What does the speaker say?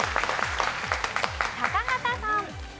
高畑さん。